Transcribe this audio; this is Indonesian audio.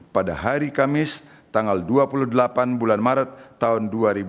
pada hari kamis tanggal dua puluh delapan bulan maret tahun dua ribu dua puluh